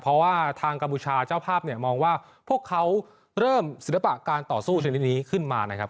เพราะว่าทางกัมพูชาเจ้าภาพเนี่ยมองว่าพวกเขาเริ่มศิลปะการต่อสู้ชนิดนี้ขึ้นมานะครับ